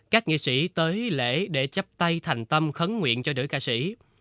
các nghệ sĩ tới lễ để chấp tay thành tâm khấn nguyện cho nữ ca sĩ